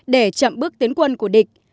để chậm bước tiến quân của địch